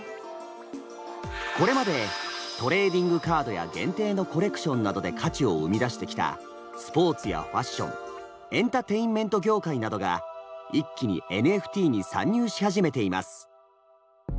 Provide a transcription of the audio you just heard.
これまでトレーディングカードや限定のコレクションなどで価値を生み出してきたスポーツやファッションエンターテインメント業界などが一気にＮＦＴに参入し始めています。